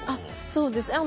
そうです。